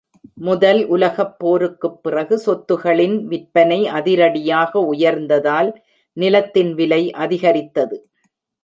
முதல் உலகப் போருக்குப் பிறகு, சொத்துகளின் விற்பனை அதிரடியாக உயர்ந்ததால், நிலத்தின் விலை அதிகரித்தது.